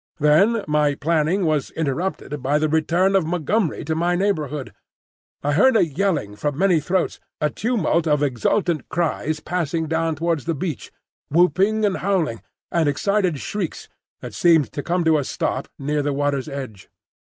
Then my planning was interrupted by the return of Montgomery to my neighbourhood. I heard a yelling from many throats, a tumult of exultant cries passing down towards the beach, whooping and howling, and excited shrieks that seemed to come to a stop near the water's edge.